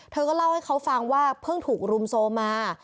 เธอก็เล่าให้เขาฟังว่าเพิ่งถูกรุมโทรมา